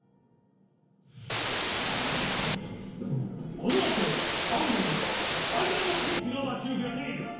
このあとマンゴーにはさいだいのピンチがまちうけている。